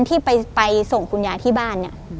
ที่ไปส่งคุณยายที่บ้านเนี่ย